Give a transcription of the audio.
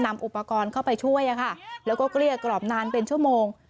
นำอุปกรณ์เข้าไปช่วยแล้วก็เกลี้ยกรอบนานเป็นชั่วโมง